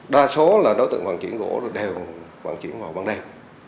đa số là đối tượng vận chuyển gỗ đều vận chuyển vào ban đêm